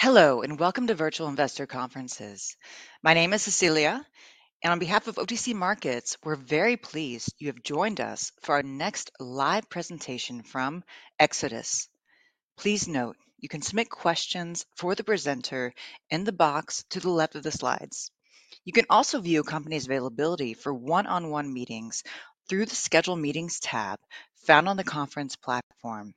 Hello and welcome to Virtual Investor Conferences. My name is Cecilia, and on behalf of OTC Markets, we're very pleased you have joined us for our next live presentation from Exodus. Please note, you can submit questions for the presenter in the box to the left of the slides. You can also view a company's availability for one-on-one meetings through the Schedule Meetings tab found on the conference platform.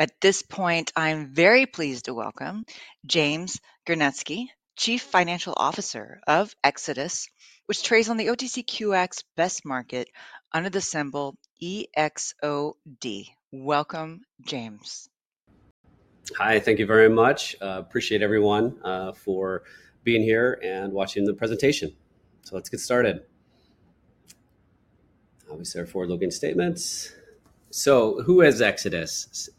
At this point, I am very pleased to welcome James Gernetzke, Chief Financial Officer of Exodus, which trades on the OTCQX Best Market under the symbol EXOD. Welcome, James. Hi, thank you very much. Appreciate everyone for being here and watching the presentation. Let's get started. Obviously, our forward-looking statements. Who is Exodus?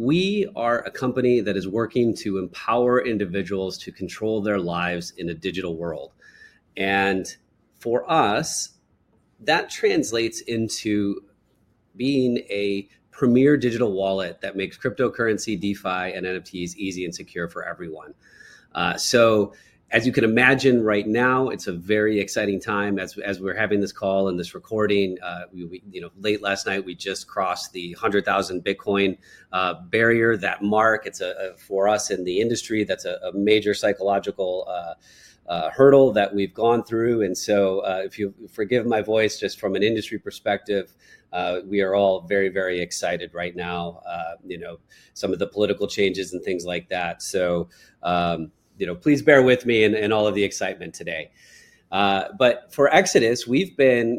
We are a company that is working to empower individuals to control their lives in a digital world. For us, that translates into being a premier digital wallet that makes cryptocurrency, DeFi, and NFTs easy and secure for everyone. As you can imagine, right now, it's a very exciting time. As we're having this call and this recording, late last night, we just crossed the 100,000 Bitcoin barrier, that mark. It's for us in the industry that's a major psychological hurdle that we've gone through. If you forgive my voice, just from an industry perspective, we are all very, very excited right now, some of the political changes and things like that. So please bear with me and all of the excitement today, but for Exodus, we've been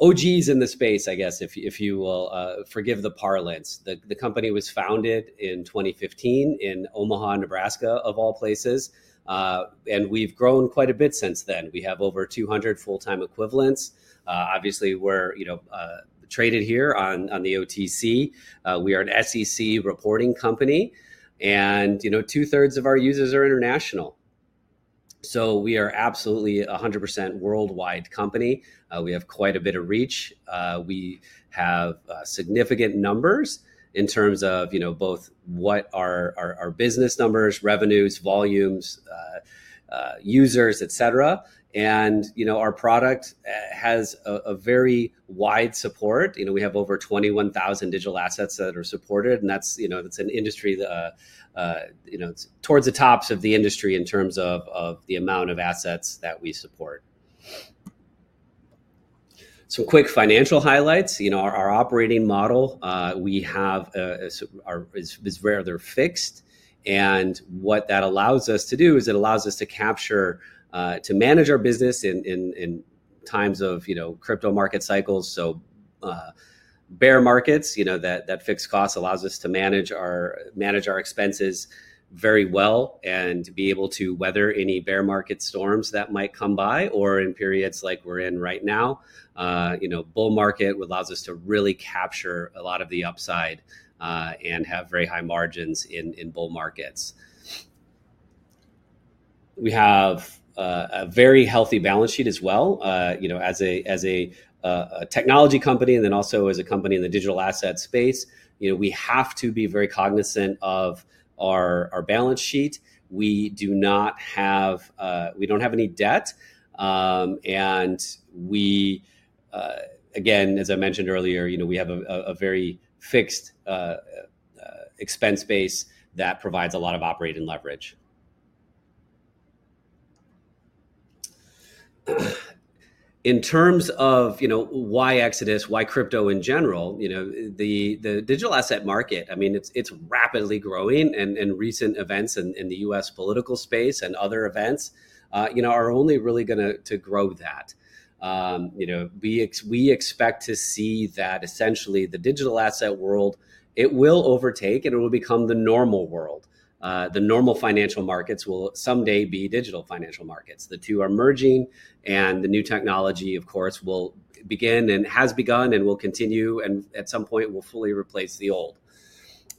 OGs in the space, I guess, if you will forgive the parlance, the company was founded in 2015 in Omaha, Nebraska, of all places, and we've grown quite a bit since then. We have over 200 full-time equivalents. Obviously, we're traded here on the OTC, we are an SEC reporting company, and two-thirds of our users are international, so we are absolutely a 100% worldwide company. We have quite a bit of reach. We have significant numbers in terms of both what are our business numbers, revenues, volumes, users, et cetera, and our product has a very wide support. We have over 21,000 digital assets that are supported, and that's an industry towards the tops of the industry in terms of the amount of assets that we support. Some quick financial highlights. Our operating model we have is rather fixed, and what that allows us to do is it allows us to capture, to manage our business in times of crypto market cycles, so bear markets, that fixed cost allows us to manage our expenses very well and be able to weather any bear market storms that might come by, or in periods like we're in right now, bull market allows us to really capture a lot of the upside and have very high margins in bull markets. We have a very healthy balance sheet as well. As a technology company and then also as a company in the digital asset space, we have to be very cognizant of our balance sheet. We do not have any debt, and we, again, as I mentioned earlier, we have a very fixed expense base that provides a lot of operating leverage. In terms of why Exodus, why crypto in general, the digital asset market, I mean, it's rapidly growing, and recent events in the U.S. political space and other events are only really going to grow that. We expect to see that essentially the digital asset world, it will overtake and it will become the normal world. The normal financial markets will someday be digital financial markets. The two are merging, and the new technology, of course, will begin and has begun and will continue, and at some point, it will fully replace the old.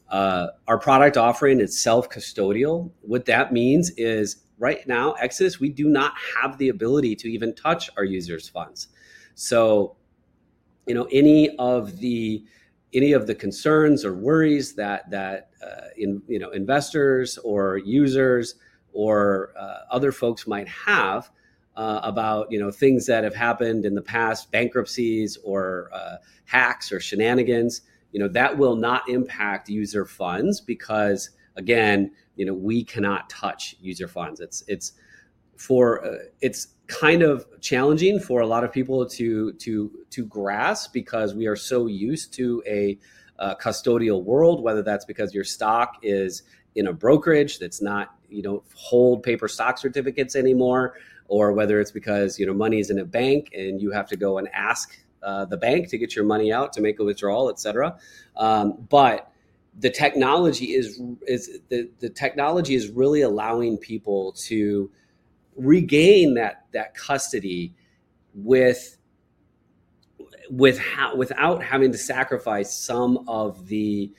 Our product offering is self-custodial. What that means is right now, Exodus, we do not have the ability to even touch our users' funds. So any of the concerns or worries that investors or users or other folks might have about things that have happened in the past, bankruptcies or hacks or shenanigans, that will not impact user funds because, again, we cannot touch user funds. It's kind of challenging for a lot of people to grasp because we are so used to a custodial world, whether that's because your stock is in a brokerage that's not hold paper stock certificates anymore, or whether it's because money is in a bank and you have to go and ask the bank to get your money out to make a withdrawal, et cetera. But the technology is really allowing people to regain that custody without having to sacrifice some of the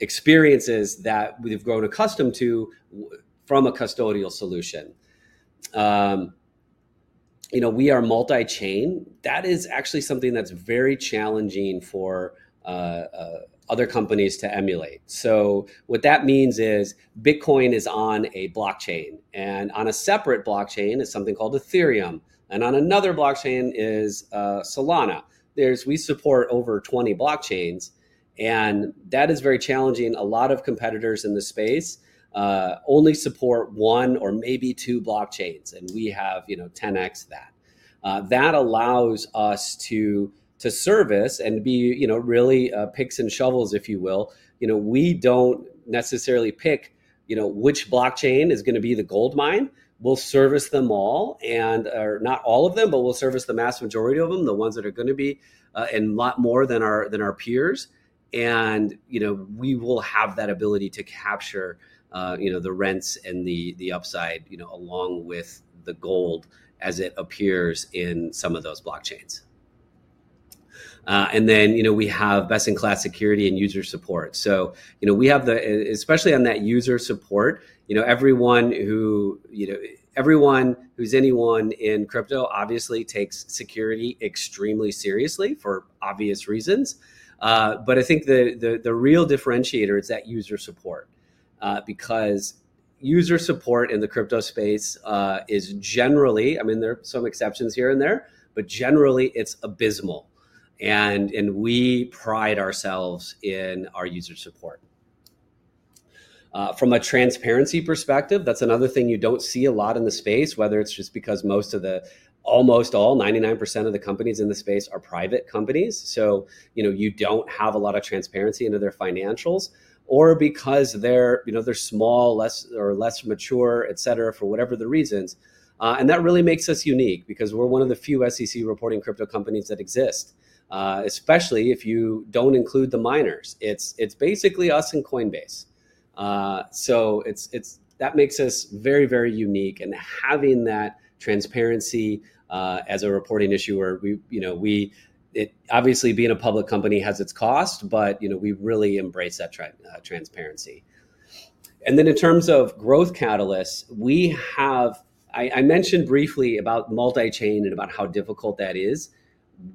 experiences that we've grown accustomed to from a custodial solution. We are multi-chain. That is actually something that's very challenging for other companies to emulate. So what that means is Bitcoin is on a blockchain. And on a separate blockchain is something called Ethereum. And on another blockchain is Solana. We support over 20 blockchains. And that is very challenging. A lot of competitors in the space only support one or maybe two blockchains. And we have 10x that. That allows us to service and be really picks and shovels, if you will. We don't necessarily pick which blockchain is going to be the gold mine. We'll service them all. And not all of them, but we'll service the vast majority of them, the ones that are going to be, and a lot more than our peers. And we will have that ability to capture the rents and the upside along with the gold as it appears in some of those blockchains. And then we have best-in-class security and user support. So we have, especially on that user support, everyone who's anyone in crypto obviously takes security extremely seriously for obvious reasons. But I think the real differentiator is that user support. Because user support in the crypto space is generally, I mean, there are some exceptions here and there, but generally, it's abysmal. And we pride ourselves in our user support. From a transparency perspective, that's another thing you don't see a lot in the space, whether it's just because most of the, almost all, 99% of the companies in the space are private companies. So you don't have a lot of transparency into their financials or because they're small or less mature, et cetera, for whatever the reasons. And that really makes us unique because we're one of the few SEC reporting crypto companies that exist, especially if you don't include the miners. It's basically us and Coinbase. So that makes us very, very unique. And having that transparency as a reporting issuer, obviously, being a public company has its cost, but we really embrace that transparency. And then in terms of growth catalysts, I mentioned briefly about multi-chain and about how difficult that is.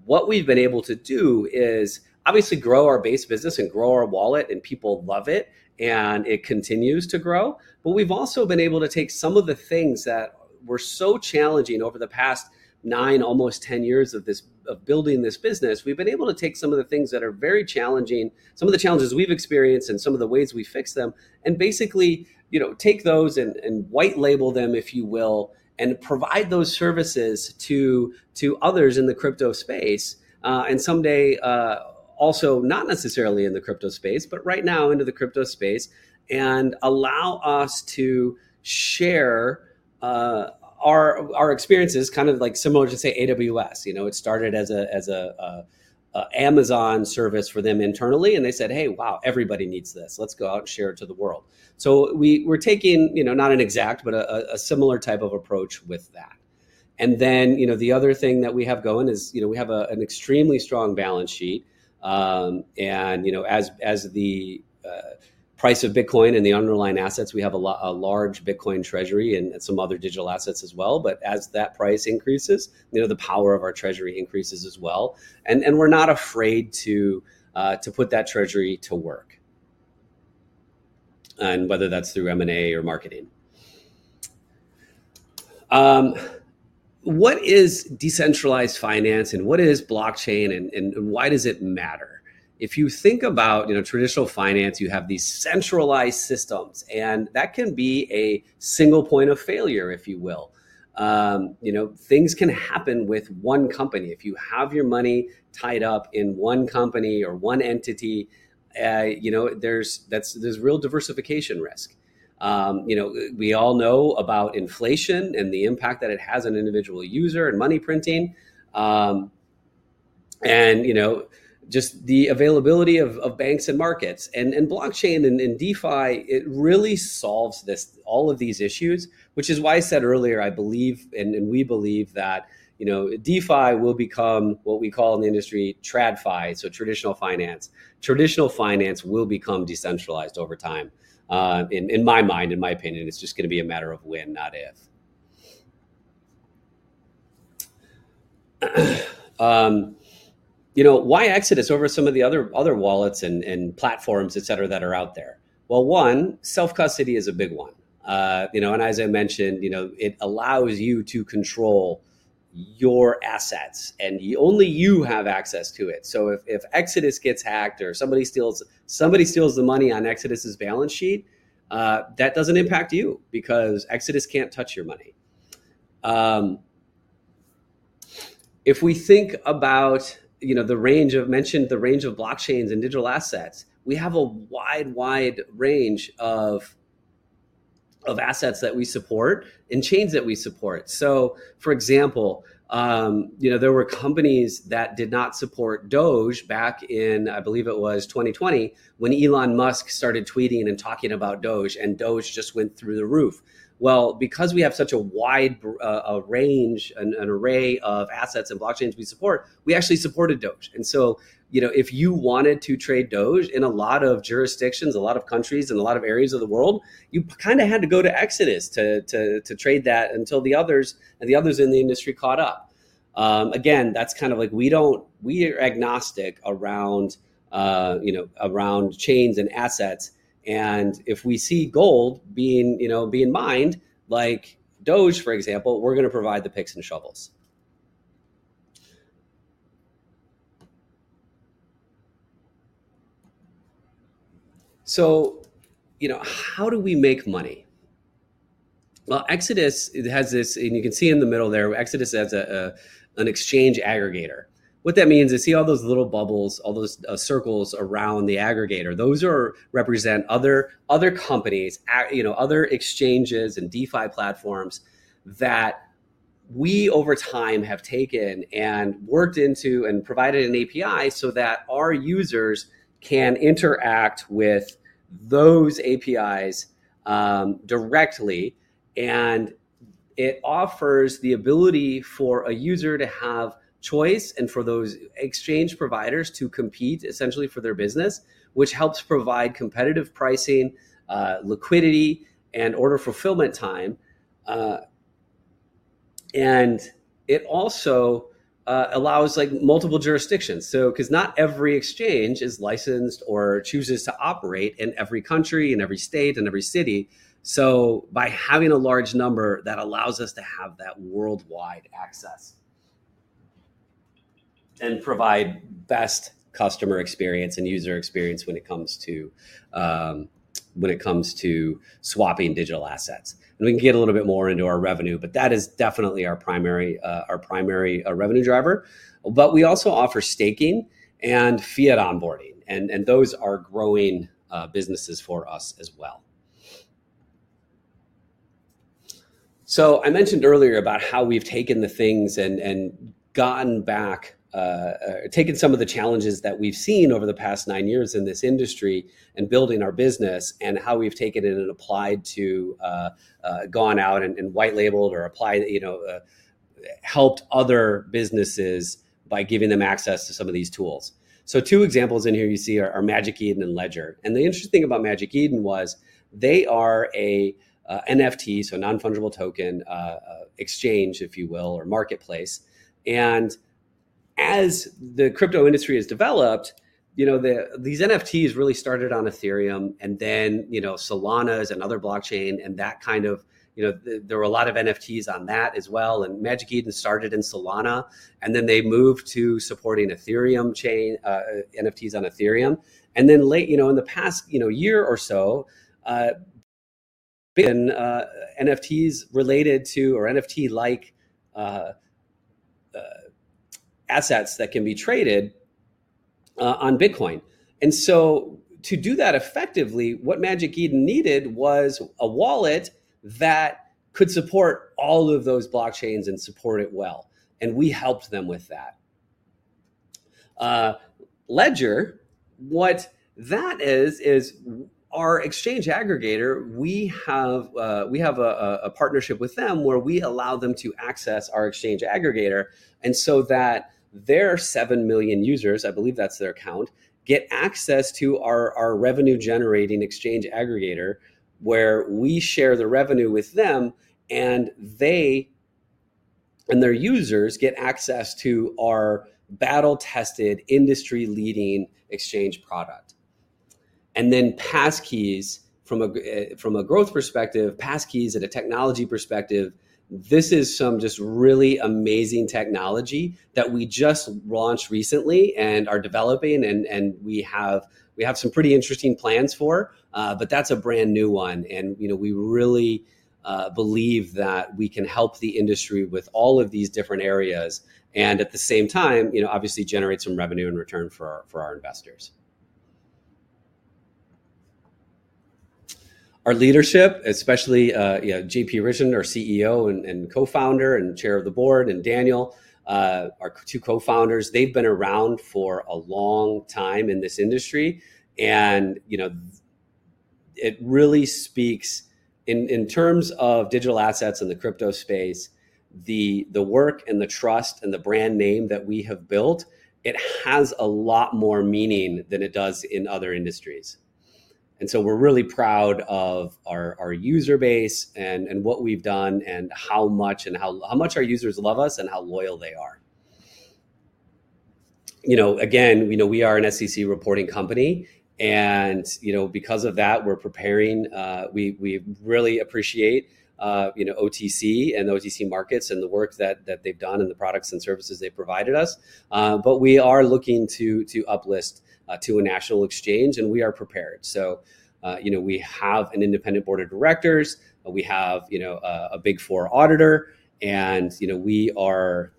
What we've been able to do is obviously grow our base business and grow our wallet. And people love it. And it continues to grow. But we've also been able to take some of the things that were so challenging over the past nine, almost 10 years of building this business, we've been able to take some of the things that are very challenging, some of the challenges we've experienced, and some of the ways we fix them, and basically take those and white-label them, if you will, and provide those services to others in the crypto space. And someday, also not necessarily in the crypto space, but right now into the crypto space and allow us to share our experiences, kind of like similar to, say, AWS. It started as an Amazon service for them internally. And they said, "Hey, wow, everybody needs this. Let's go out and share it to the world." So we're taking not an exact, but a similar type of approach with that. And then the other thing that we have going is we have an extremely strong balance sheet. And as the price of Bitcoin and the underlying assets, we have a large Bitcoin treasury and some other digital assets as well. But as that price increases, the power of our treasury increases as well. And we're not afraid to put that treasury to work, whether that's through M&A or marketing. What is decentralized finance and what is blockchain, and why does it matter? If you think about traditional finance, you have these centralized systems, and that can be a single point of failure, if you will. Things can happen with one company. If you have your money tied up in one company or one entity, there's real diversification risk. We all know about inflation and the impact that it has on individual user and money printing, and just the availability of banks and markets, and blockchain and DeFi, it really solves all of these issues, which is why I said earlier, I believe, and we believe that DeFi will become what we call in the industry TradFi, so traditional finance. Traditional finance will become decentralized over time. In my mind, in my opinion, it's just going to be a matter of when, not if. Why Exodus over some of the other wallets and platforms, et cetera, that are out there? Well, one, self-custody is a big one. And as I mentioned, it allows you to control your assets. And only you have access to it. So if Exodus gets hacked or somebody steals the money on Exodus's balance sheet, that doesn't impact you because Exodus can't touch your money. If we think about the range of blockchains and digital assets, we have a wide, wide range of assets that we support and chains that we support. So for example, there were companies that did not support Doge back in, I believe it was 2020, when Elon Musk started tweeting and talking about Doge and Doge just went through the roof. Well, because we have such a wide range, an array of assets and blockchains we support, we actually supported Doge. And so, if you wanted to trade Doge in a lot of jurisdictions, a lot of countries, and a lot of areas of the world, you kind of had to go to Exodus to trade that until the others in the industry caught up. Again, that's kind of like we are agnostic around chains and assets. And if we see gold being mined, like Doge, for example, we're going to provide the picks and shovels. So how do we make money? Well, Exodus has this, and you can see in the middle there, Exodus has an exchange aggregator. What that means is, see all those little bubbles, all those circles around the aggregator. Those represent other companies, other exchanges, and DeFi platforms that we, over time, have taken and worked into and provided an API so that our users can interact with those APIs directly. And it offers the ability for a user to have choice and for those exchange providers to compete essentially for their business, which helps provide competitive pricing, liquidity, and order fulfillment time. And it also allows multiple jurisdictions because not every exchange is licensed or chooses to operate in every country and every state, and every city. So by having a large number, that allows us to have that worldwide access and provide best customer experience and user experience when it comes to swapping digital assets. And we can get a little bit more into our revenue, but that is definitely our primary revenue driver. But we also offer staking and fiat onboarding. And those are growing businesses for us as well. So I mentioned earlier about how we've taken some of the challenges that we've seen over the past nine years in this industry and building our business, and how we've taken it and applied it and gone out and white-labeled or helped other businesses by giving them access to some of these tools. So two examples in here you see are Magic Eden and Ledger. And the interesting thing about Magic Eden was they are an NFT, so non-fungible token exchange, if you will, or marketplace. And as the crypto industry has developed, these NFTs really started on Ethereum, and then Solana's and other blockchains, and there were a lot of NFTs on that as well. And Magic Eden started in Solana. And then they moved to supporting Ethereum chain, NFTs on Ethereum. And then in the past year or so, big. And NFTs related to or NFT-like assets that can be traded on Bitcoin. And so to do that effectively, what Magic Eden needed was a wallet that could support all of those blockchains and support it well. And we helped them with that. Ledger, what that is, is our exchange aggregator. We have a partnership with them where we allow them to access our exchange aggregator. And so that their seven million users, I believe that's their account, get access to our revenue-generating exchange aggregator where we share the revenue with them. And they and their users get access to our battle-tested, industry-leading exchange product. And then Passkeys from a growth perspective, Passkeys at a technology perspective, this is some just really amazing technology that we just launched recently and are developing. And we have some pretty interesting plans for. But that's a brand new one. And we really believe that we can help the industry with all of these different areas and at the same time, obviously, generate some revenue and return for our investors. Our leadership, especially JP Richardson, our CEO and co-founder and Chair of the Board, and Daniel, our two co-founders, they've been around for a long time in this industry. And it really speaks in terms of digital assets in the crypto space, the work and the trust and the brand name that we have built, it has a lot more meaning than it does in other industries. And so we're really proud of our user base and what we've done, and how much and how much our users love us and how loyal they are. Again, we are an SEC reporting company. And because of that, we're preparing. We really appreciate OTCQX and OTC Markets and the work that they've done and the products and services they've provided us, but we are looking to uplist to a national exchange, and we are prepared, so we have an independent board of directors. We have a Big Four auditor, and we are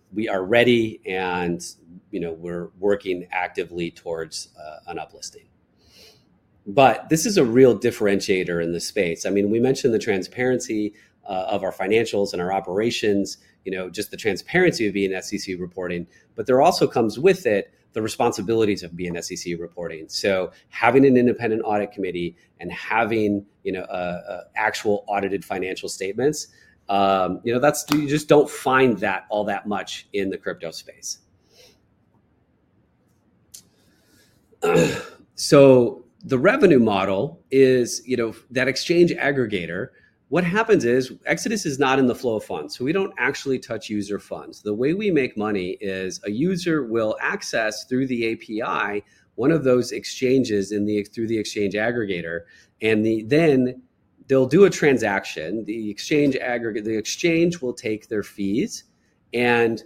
ready, and we're working actively towards an uplisting, but this is a real differentiator in this space. I mean, we mentioned the transparency of our financials and our operations, just the transparency of being SEC reporting, but there also comes with it the responsibilities of being SEC reporting, so having an independent audit committee and having actual audited financial statements, you just don't find that all that much in the crypto space, so the revenue model is that exchange aggregator. What happens is Exodus is not in the flow of funds, so we don't actually touch user funds. The way we make money is a user will access through the API one of those exchanges through the exchange aggregator. And then they'll do a transaction. The exchange will take their fees. And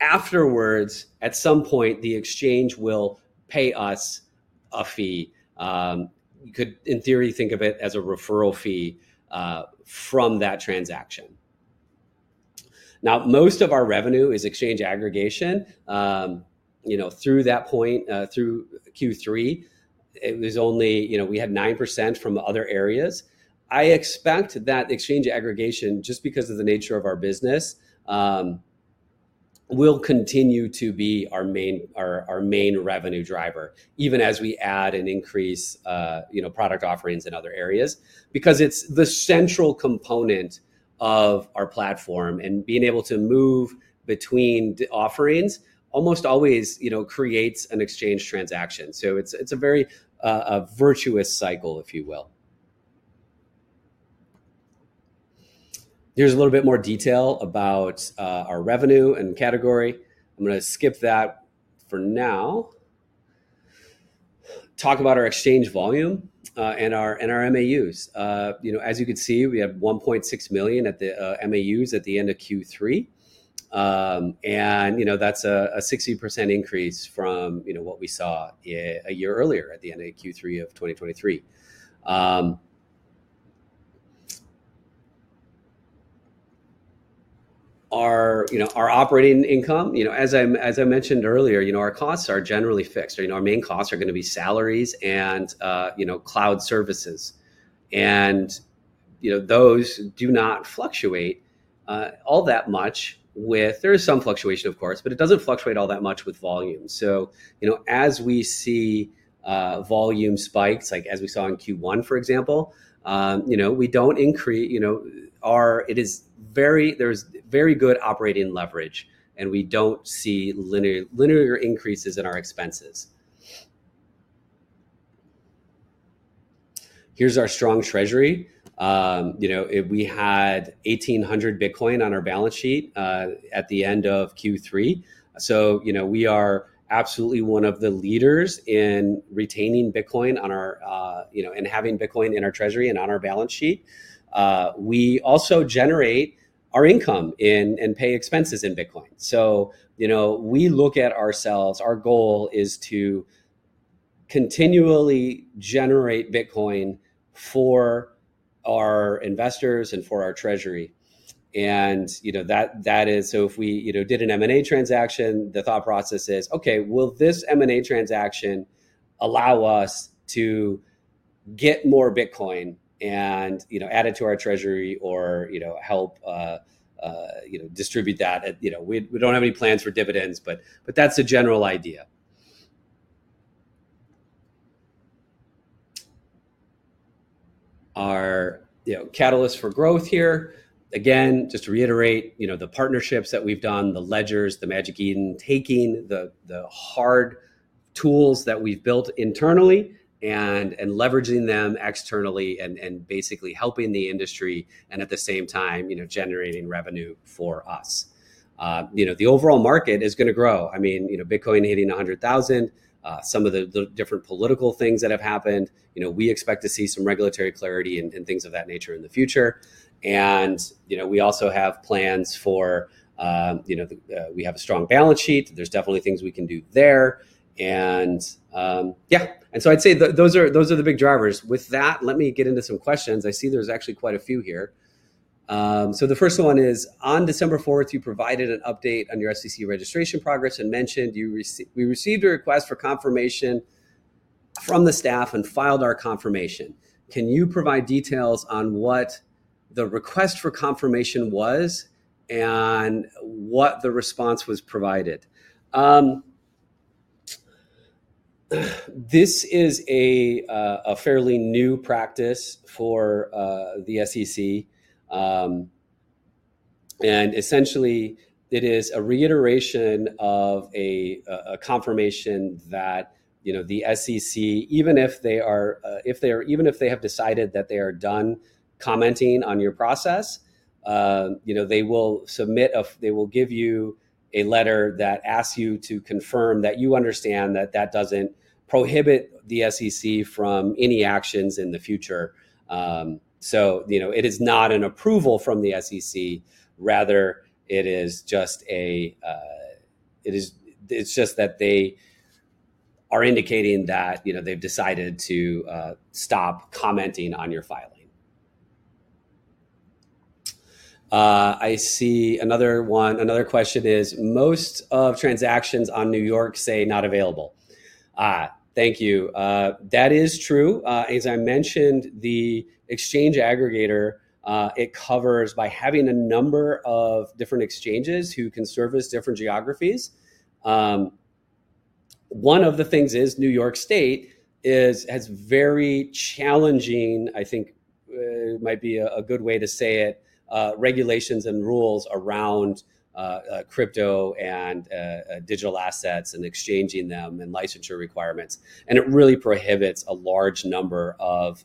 afterwards, at some point, the exchange will pay us a fee. You could, in theory, think of it as a referral fee from that transaction. Now, most of our revenue is exchange aggregation. Through that point, through Q3, it was only we had 9% from other areas. I expect that exchange aggregation, just because of the nature of our business, will continue to be our main revenue driver, even as we add and increase product offerings in other areas because it's the central component of our platform. And being able to move between offerings almost always creates an exchange transaction. So it's a very virtuous cycle, if you will. Here's a little bit more detail about our revenue and category. I'm going to skip that for now. Talk about our exchange volume and our MAUs. As you could see, we have 1.6 million MAUs at the end of Q3, and that's a 60% increase from what we saw a year earlier at the end of Q3 of 2023. Our operating income, as I mentioned earlier, our costs are generally fixed. Our main costs are going to be salaries and cloud services. And those do not fluctuate all that much with. There is some fluctuation, of course, but it doesn't fluctuate all that much with volume. So as we see volume spikes, like as we saw in Q1, for example, we don't increase. It is very. There's very good operating leverage, and we don't see linear increases in our expenses. Here's our strong treasury. We had 1,800 Bitcoin on our balance sheet at the end of Q3, so we are absolutely one of the leaders in retaining Bitcoin on our and having Bitcoin in our treasury and on our balance sheet. We also generate our income and pay expenses in Bitcoin, so we look at ourselves, our goal is to continually generate Bitcoin for our investors and for our treasury, and that is so if we did an M&A transaction, the thought process is, "Okay, will this M&A transaction allow us to get more Bitcoin and add it to our treasury or help distribute that?" We don't have any plans for dividends, but that's a general idea. Our catalyst for growth here, again, just to reiterate, the partnerships that we've done, the Ledger, the Magic Eden, taking the hard tools that we've built internally and leveraging them externally, and basically helping the industry, and at the same time generating revenue for us. The overall market is going to grow. I mean, Bitcoin hitting 100,000, some of the different political things that have happened. We expect to see some regulatory clarity and things of that nature in the future. And we also have plans. We have a strong balance sheet. There's definitely things we can do there. And yeah. And so I'd say those are the big drivers. With that, let me get into some questions. I see there's actually quite a few here. The first one is, on December 4th, you provided an update on your SEC registration progress and mentioned we received a request for confirmation from the staff and filed our confirmation. Can you provide details on what the request for confirmation was and what the response was provided? This is a fairly new practice for the SEC. Essentially, it is a reiteration of a confirmation that the SEC, even if they have decided that they are done commenting on your process, they will give you a letter that asks you to confirm that you understand that that doesn't prohibit the SEC from any actions in the future. It is not an approval from the SEC. Rather, it's just that they are indicating that they've decided to stop commenting on your filing. I see another one. Another question is, "Most of transactions on New York say not available." Thank you. That is true. As I mentioned, the exchange aggregator, it covers by having a number of different exchanges who can service different geographies. One of the things is New York State has very challenging, I think might be a good way to say it, regulations and rules around crypto and digital assets and exchanging them and licensure requirements. And it really prohibits a large number of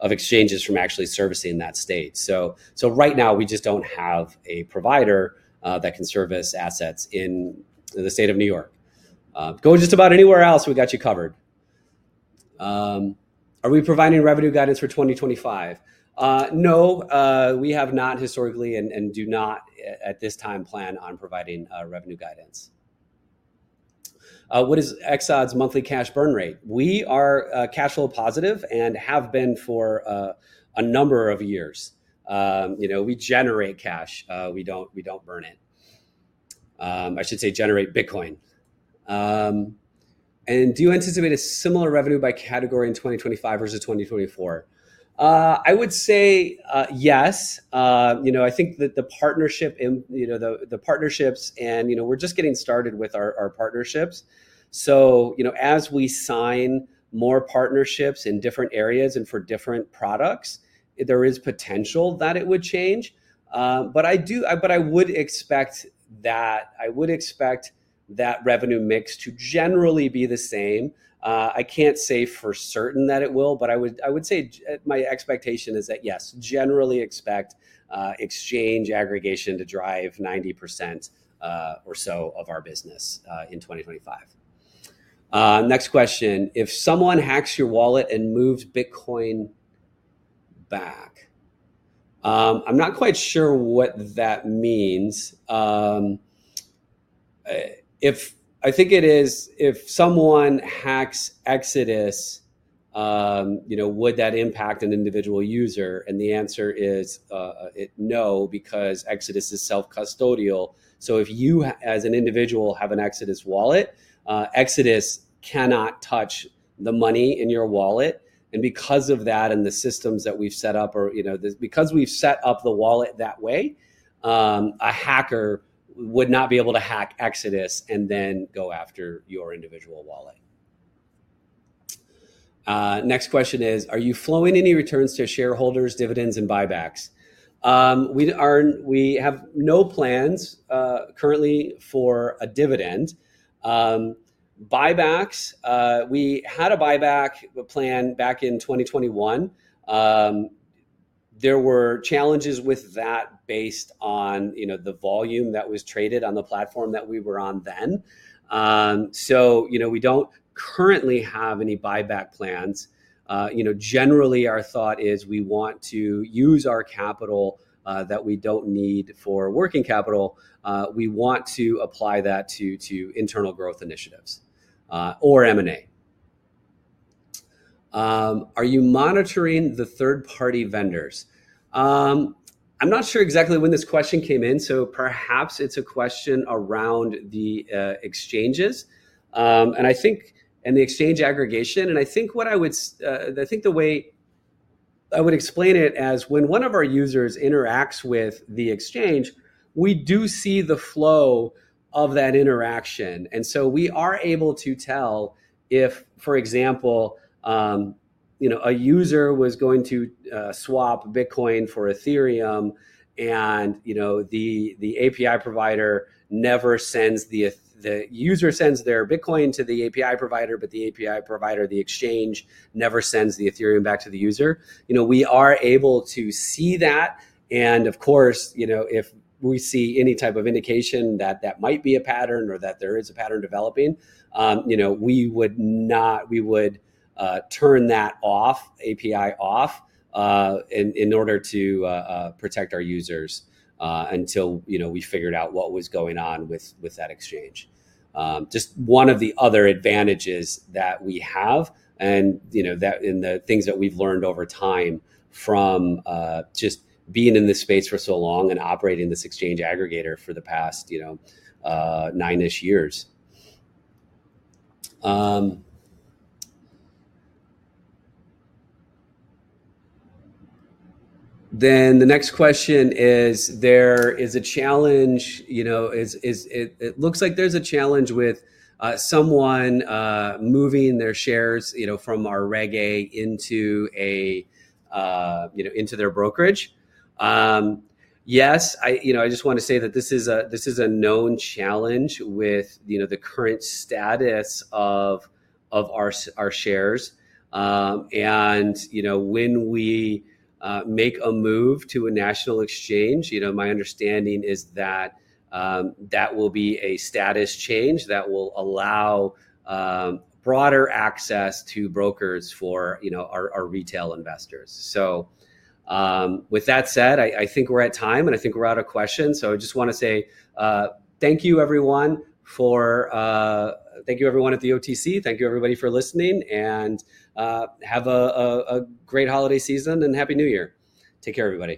exchanges from actually servicing that state. So right now, we just don't have a provider that can service assets in the state of New York. Go just about anywhere else. We got you covered. Are we providing revenue guidance for 2025? No. We have not historically and do not at this time plan on providing revenue guidance. What is Exodus's monthly cash burn rate? We are cash flow positive and have been for a number of years. We generate cash. We don't burn it. I should say generate Bitcoin. And do you anticipate a similar revenue by category in 2025 versus 2024? I would say yes. I think that the partnership and the partnerships and we're just getting started with our partnerships. So as we sign more partnerships in different areas and for different products, there is potential that it would change. But I would expect that revenue mix to generally be the same. I can't say for certain that it will, but I would say my expectation is that, yes, generally expect exchange aggregation to drive 90% or so of our business in 2025. Next question. If someone hacks your wallet and moves Bitcoin back, I'm not quite sure what that means. If someone hacks Exodus, would that impact an individual user? The answer is no, because Exodus is self-custodial, so if you, as an individual, have an Exodus wallet, Exodus cannot touch the money in your wallet, and because of that and the systems that we've set up or because we've set up the wallet that way, a hacker would not be able to hack Exodus and then go after your individual wallet. Next question is, "Are you flowing any returns to shareholders, dividends, and buybacks?" We have no plans currently for a dividend. Buybacks, we had a buyback plan back in 2021. There were challenges with that based on the volume that was traded on the platform that we were on then, so we don't currently have any buyback plans. Generally, our thought is we want to use our capital that we don't need for working capital. We want to apply that to internal growth initiatives or M&A. Are you monitoring the third-party vendors? I'm not sure exactly when this question came in, so perhaps it's a question around the exchanges and the exchange aggregator. I think the way I would explain it is when one of our users interacts with the exchange, we do see the flow of that interaction, so we are able to tell if, for example, a user was going to swap Bitcoin for Ethereum and the API provider never sends back. The user sends their Bitcoin to the API provider, but the API provider, the exchange, never sends the Ethereum back to the user. We are able to see that. Of course, if we see any type of indication that that might be a pattern or that there is a pattern developing, we would turn that off, API off, in order to protect our users until we figured out what was going on with that exchange. Just one of the other advantages that we have and the things that we've learned over time from just being in this space for so long and operating this exchange aggregator for the past nine-ish years. The next question is, there is a challenge. It looks like there's a challenge with someone moving their shares from our Reg A into their brokerage. Yes, I just want to say that this is a known challenge with the current status of our shares. When we make a move to a national exchange, my understanding is that that will be a status change that will allow broader access to brokers for our retail investors. So with that said, I think we're at time and I think we're out of questions. So I just want to say thank you, everyone at the OTC. Thank you, everybody, for listening. Have a great holiday season and happy New Year. Take care, everybody.